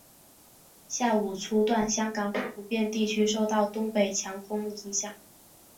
下午初段香港普遍地区受到东北强风影响。